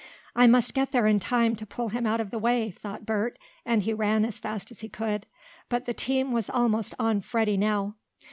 "I must get there in time to pull him out of the way!" thought Bert, as he ran as fast as he could. But the team was almost on Freddie now.